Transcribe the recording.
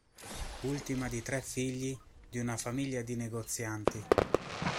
Ultima di tre figli di una famiglia di negozianti.